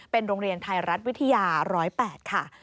เป็นโรงเรียนไทยรัฐวิทยา๑๐๘ค่ะ